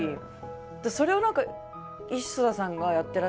それを何か磯田さんがやってらっしゃるのが。